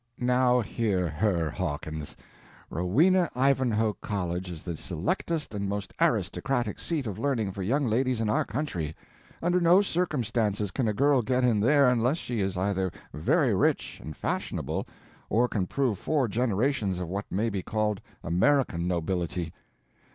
"Now hear her, Hawkins! Rowena Ivanhoe College is the selectest and most aristocratic seat of learning for young ladies in our country. Under no circumstances can a girl get in there unless she is either very rich and fashionable or can prove four generations of what may be called American nobility.